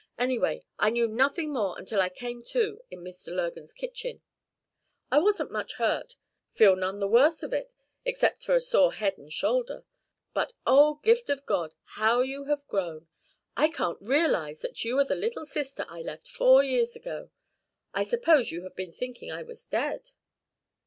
Anyway, I knew nothing more until I came to in Mr. Lurgan's kitchen. I wasn't much hurt feel none the worse of it except for a sore head and shoulder. But, oh, Gift o' God, how you have grown! I can't realize that you are the little sister I left four years ago. I suppose you have been thinking I was dead?"